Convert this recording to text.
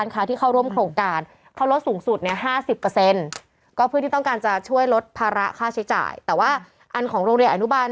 ก็เพื่อที่ต้องการจะช่วยลดภาระค่าใช้จ่ายแต่ว่าอันของโรงเรียนอนุบาล